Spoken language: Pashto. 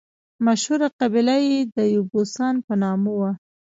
مشهوره قبیله یې د یبوسان په نامه وه.